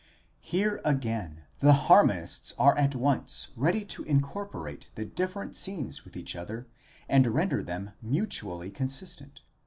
Here again the harmonists are at once ready to incorporate the different scenes with each other, and render them mutually consistent.